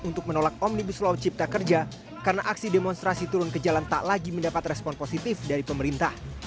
untuk menolak omnibus law cipta kerja karena aksi demonstrasi turun ke jalan tak lagi mendapat respon positif dari pemerintah